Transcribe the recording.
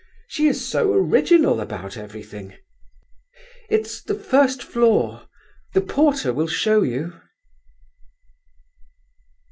She is so original about everything. It's the first floor. The porter will show you."